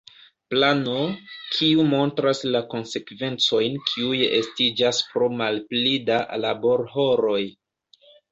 Plano, kiu montras la konsekvencojn kiuj estiĝas pro malpli da laborhoroj.